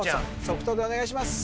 即答でお願いします